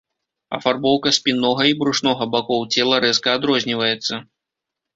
Афарбоўка спіннога і брушнога бакоў цела рэзка адрозніваецца.